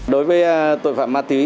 đối với tội phạm ma túy